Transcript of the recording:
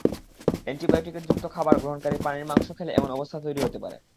Antibiotic যুক্ত খাবার গ্রহণকারী প্রাণীর মাংস খেলে এমন অবস্থা তৈরি হতে পারে।